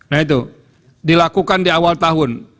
nah itu dilakukan di awal tahun